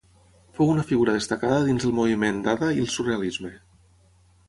Fou una figura destacada dins del moviment Dada i el surrealisme.